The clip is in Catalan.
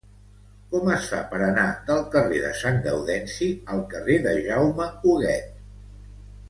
Com es fa per anar del carrer de Sant Gaudenci al carrer de Jaume Huguet?